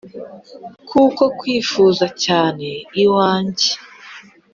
Kuko nkwifuza cyane iwanjye